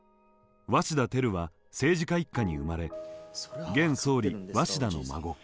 鷲田照は政治家一家に生まれ現総理鷲田の孫。